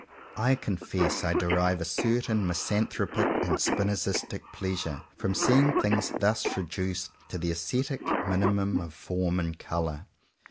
I confess I derive a certain misanthropic and Spi nozistic pleasure from seeing things thus reduced to the ascetic minimum of form and colour.